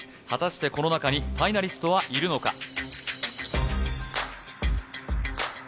果たしてこの中にファイナリストはいるのか？